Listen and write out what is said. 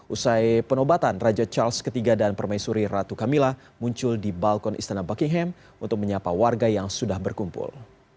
usai penobatan raja charles iii dan permaisuri ratu kamila muncul di balkon istana buckingham untuk menyapa warga yang sudah berkumpul